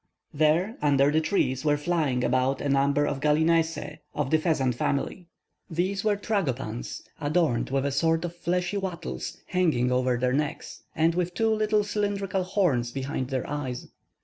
There, under the trees, were flying about a number of gallinaceæ of the pheasant family. These were "tragopans," adorned with a sort of fleshy wattles hanging over their necks and with two little cylindrical horns behind their eyes.